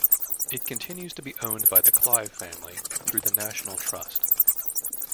It continues to be owned by the Clive family, through the National Trust.